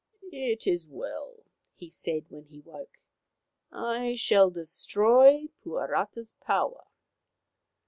" It is well," he said when he awoke. " I shall destroy Puarata's power."